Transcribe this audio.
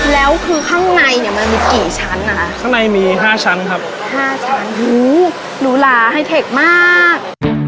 แล้วคือข้างในเนี่ยมันมีกี่ชั้นนะคะข้างในมีห้าชั้นครับห้าชั้นหูหนูหลาไฮเทคมาก